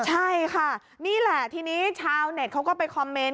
ใช่ค่ะนี่แหละทีนี้ชาวเน็ตเขาก็ไปคอมเมนต์